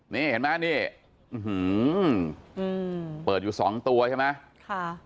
นี่เห็นไหมอือหืออืมเปิดอยู่สองตัวใช่ไหมค่ะ